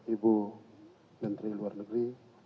ibu menteri luar negeri